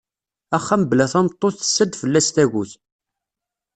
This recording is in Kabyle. Axxam bla tameṭṭut tessa-d fell-as tagut.